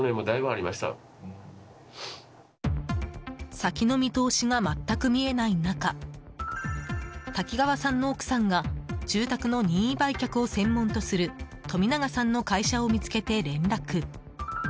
先の見通しが全く見えない中滝川さんの奥さんが住宅の任意売却を専門とする富永さんの会社を見つけて連絡。